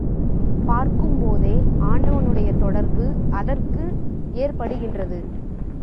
பார்க்கும்போதே ஆண்டவனுடைய தொடர்பு அதற்கு ஏற்படுகின்றது.